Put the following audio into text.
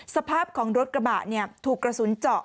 สภาพของรถกระบะถูกกระสุนเจาะ